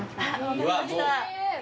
分かりました。